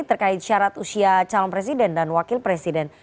terkait syarat usia calon presiden dan wakil presiden